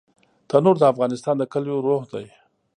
تنور د افغانستان د کليو روح دی